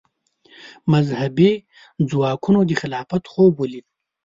مذهبي ځواکونو د خلافت خوب ولید